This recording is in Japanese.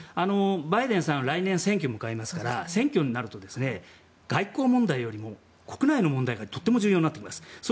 バイデンさんは来年、大統領選挙がありますから選挙になると外交問題よりも国内の問題がとっても重要になってきます。